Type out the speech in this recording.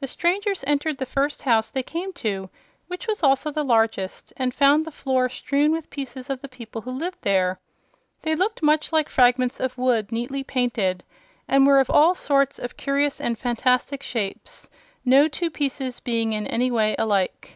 The strangers entered the first house they came to, which was also the largest, and found the floor strewn with pieces of the people who lived there. They looked much like fragments of wood neatly painted, and were of all sorts of curious and fantastic shapes, no two pieces being in any way alike.